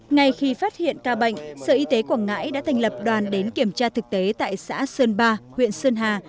ngay khi phát hiện ca bệnh sở y tế quảng ngãi đã thành lập đoàn đến kiểm tra thực tế tại xã sơn ba huyện sơn hà